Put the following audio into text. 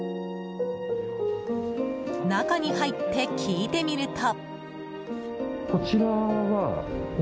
中に入って聞いてみると。